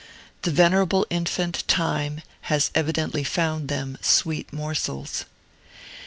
The venerable infant Time has evidently found them sweet morsels.